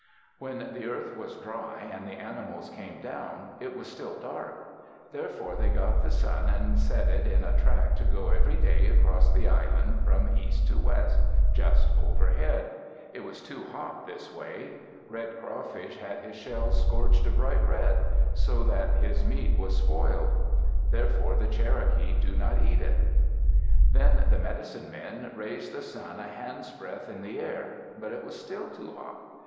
] When the earth was dry and the animals came down, it was still dark. Therefore they got the sun and set it in a track to go every day across the island from east to west, just overhead. It was too hot this way. Red Crawfish had his shell scorched a bright red, so that his meat was spoiled. Therefore the Cherokees do not eat it. Then the medicine men raised the sun a handsbreadth in the air, but it was still too hot.